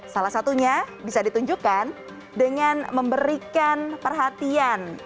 salah satunya bisa ditunjukkan dengan memberikan perhatian